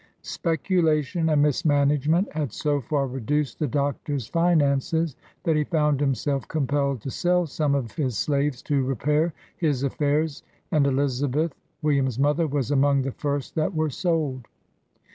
SPECULATION and mismanagement had so far reduced the Doctor's finances, that he found himself compelled to sell some of his slaves to repair his affairs, and Elizabeth. William's mother, was among the first that were sold.